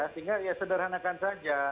sehingga ya sederhanakan saja